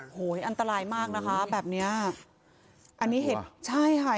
โหยอันตรายมากนะคะแบบเนี้ยอันนี้เห็ดใช่ค่ะ